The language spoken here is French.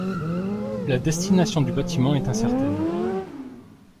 La destination du bâtiment est incertaine.